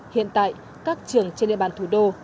hiện tại các trường trên địa bàn thủ đô